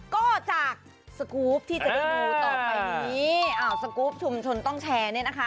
ก็จากสกรูปที่จะได้ดูต่อไปนี้อ่าสกรูปชุมชนต้องแชร์เนี่ยนะคะ